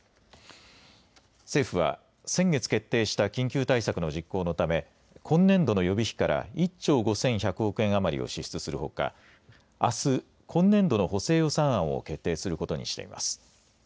政府は、先月決定した緊急対策の実行のため、今年度の予備費から１兆５１００億円余りを支出するほか、あす、今年度の補正予算案を決定することにしています。